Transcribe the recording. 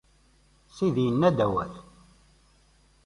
Sidi yenna-d awal.